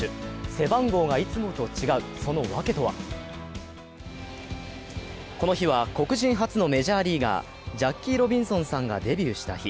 背番号がいつもと違う、その訳とはこの日は黒人初のメジャーリーガー、ジャッキー・ロビンソンさんがデビューした日。